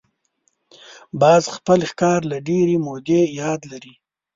باز خپل ښکار له ډېرې مودې یاد لري